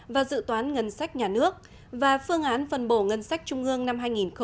và dự toán ngân sách nhà nước và phương án phân bổ ngân sách trung ương năm hai nghìn hai mươi